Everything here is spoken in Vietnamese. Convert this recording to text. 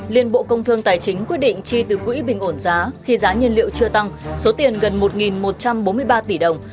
liên bộ công thương tài chính quyết định chi từ quỹ bình ổn giá khi giá nhân liệu chưa tăng số tiền gần một một trăm bốn mươi ba tỷ đồng